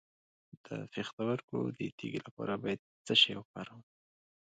د پښتورګو د تیږې لپاره باید څه شی وکاروم؟